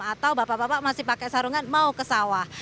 atau bapak bapak masih pakai sarungan mau ke sawah